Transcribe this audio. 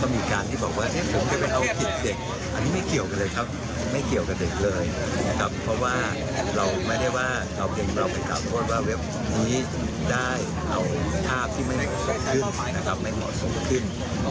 มันจะขึ้นพูดอย่างเช่นอะไรกัน